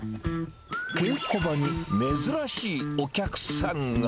稽古場に、珍しいお客さんが。